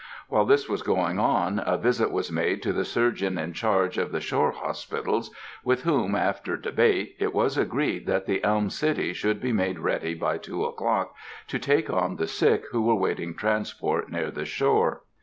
While this was going on, a visit was made to the surgeon in charge of the shore hospitals, with whom, after debate, it was agreed that the Elm City should be made ready by two o'clock to take on the sick who were waiting transport near the shore.